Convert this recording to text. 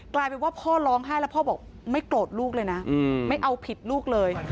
กลายเป็นว่าพ่อร้องไห้แล้วพ่อบอกไม่โกรธลูกเลยนะไม่เอาผิดลูกเลย